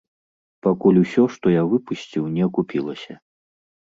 Пакуль усё, што я выпусціў, не акупілася.